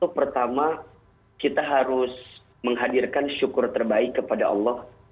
pertama kita harus menghadirkan syukur terbaik kepada allah